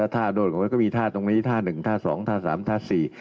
ถ้าโดนของมันก็มีท่าตรงนี้ท่าหนึ่งท่าสองท่าสามท่าสี่